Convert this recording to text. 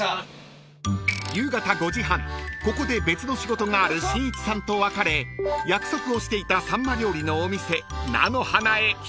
［ここで別の仕事があるしんいちさんと別れ約束をしていたさんま料理のお店菜の花へ］